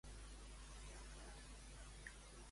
A disseminats s'han enderrocat les masies.